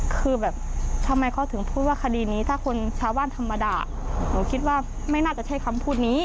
คือแบบทำไมเขาถึงพูดว่าคดีนี้ถ้าคนชาวบ้านธรรมดาหนูคิดว่าไม่น่าจะใช่คำพูดนี้